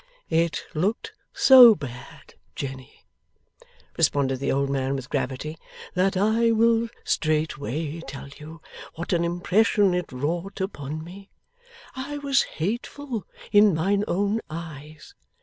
'It looked so bad, Jenny,' responded the old man, with gravity, 'that I will straightway tell you what an impression it wrought upon me. I was hateful in mine own eyes.